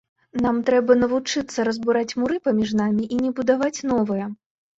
Нам трэба навучыцца разбураць муры паміж намі, а не будаваць новыя.